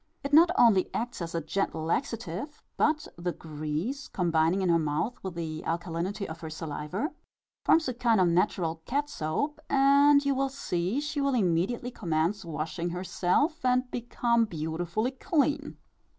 It not only acts as a gentle laxative, but, the grease, combining in her mouth with the alkalinity of her saliva, forms a kind of natural cat soap, and you will see she will immediately commence washing herself, and become beautifully clean.